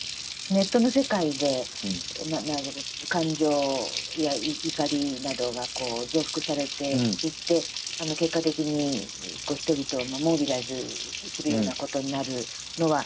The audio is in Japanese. ネットの世界で感情や怒りなどが増幅されていって結果的に人々をモビライズするようなことになるのは